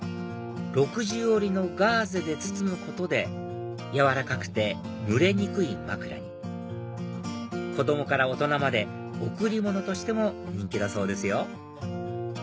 ６重織りのガーゼで包むことで柔らかくて蒸れにくい枕に子供から大人まで贈り物としても人気だそうですよ